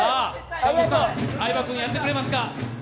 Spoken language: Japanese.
相葉君やってくれますか？